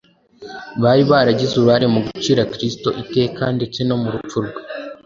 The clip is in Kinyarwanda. bari baragize uruhare mu gucira Kristo iteka ndetse no mu rupfu rwe.